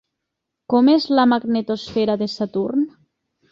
Com és la magnetosfera de Saturn?